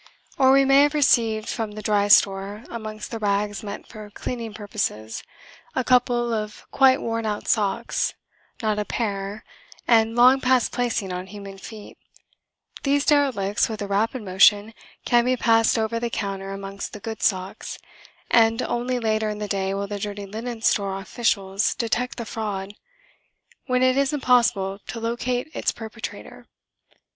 Or we may have received from the Dry Store, amongst the rags meant for cleaning purposes, a couple of quite worn out socks, not a pair, and long past placing on human feet: these derelicts, with a rapid motion, can be passed over the counter amongst the good socks, and only later in the day will the Dirty Linen Store officials detect the fraud when it is impossible to locate its perpetrator.